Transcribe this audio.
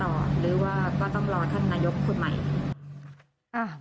หรือว่าก็ต้องรอท่านนายกคนใหม่